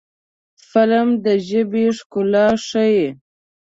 فلم د ژبې ښکلا ښيي